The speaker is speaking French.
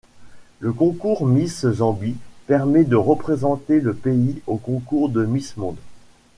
Le concours Miss Zambie permet de représenter le pays au concours de Miss Monde.